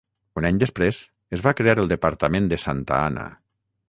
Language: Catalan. Un any després, es va crear el departament de Santa Ana.